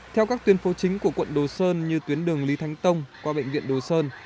theo các tuyến phố chính của quận đồ sơn như tuyến đường lý thánh tông qua bệnh viện đồ sơn